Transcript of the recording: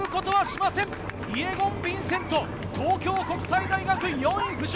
イェゴン・ヴィンセント、東京国際大学４位浮上！